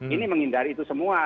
ini menghindari itu semua